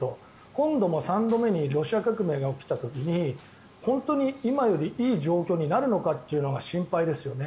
今度も３度目にロシア革命が起きた時に本当に今よりいい状況になるのかというのが心配ですよね。